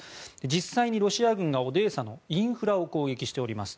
実際に、ロシア軍がオデーサのインフラを攻撃しております。